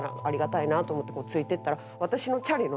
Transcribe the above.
ありがたいなと思ってついてったら。